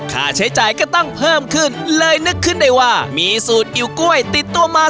ค่าใช้จ่ายก็ต้องเพิ่มขึ้นเลยนึกขึ้นได้ว่ามีสูตรอิ่วกล้วยติดตัวมา